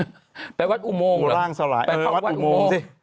ไปวัดอุโมงเหรอไปฟังวัดอุโมงสิแปลวัดอุโมง